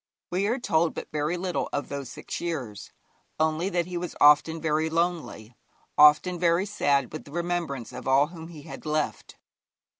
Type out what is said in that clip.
We are told but very little of those six years, only that he was often very lonely, often very sad with the remembrance of all whom he had left.